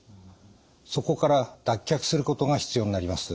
そこから脱却することが必要になります。